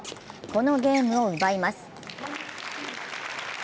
このゲームを奪います。